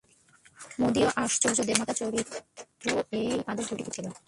মদীয় আচার্যদেবের পিতামাতার চরিত্র এই আদর্শে গঠিত ছিল।